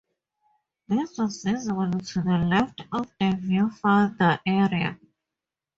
This was visible to the left of the viewfinder area.